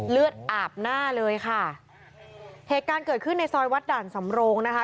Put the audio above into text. เลือดอาบหน้าเลยค่ะเหตุการณ์เกิดขึ้นในซอยวัดด่านสำโรงนะคะ